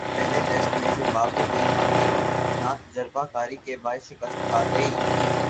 پہلے ٹیسٹ میں Zimbabwe team اپنی ناتجربہ کاری کے باعث شکست کھاگئی